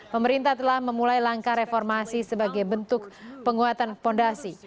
pemerintah telah memulai langkah reformasi sebagai bentuk penguatan fondasi